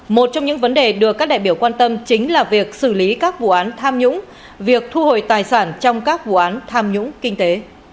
một trong những vấn đề được các đại biểu quan tâm chính là việc xử lý các vụ án tham nhũng việc thu hồi tài sản trong các vụ án tham nhũng kinh tế